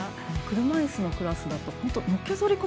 車いすのクラスだとのけぞり方